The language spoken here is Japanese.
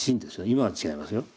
今は違いますよ。